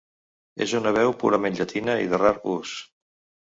És una veu purament llatina i de rar ús.